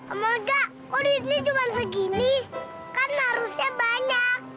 om olga kok duitnya cuman segini kan harusnya banyak